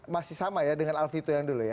masih sama ya dengan alfito yang dulu ya